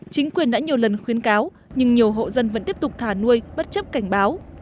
chính quyền đã nhiều lần khuyến cáo nhưng nhiều hộ dân vẫn tiếp tục thả nuôi bất chấp cảnh báo